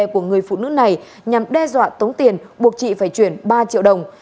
của nữ này nhằm đe dọa tống tiền buộc chị phải chuyển ba triệu đồng